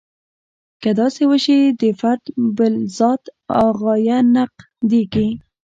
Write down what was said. که داسې وشي د فرد بالذات غایه نقضیږي.